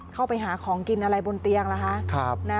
เข้าไปหาของกินอะไรบนเตียงล่ะคะ